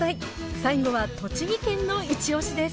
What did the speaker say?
最後は栃木県のイチオシです